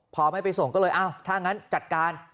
พอไม่ไปส่งก็เลยอ้าวถ้างั้นจัดการ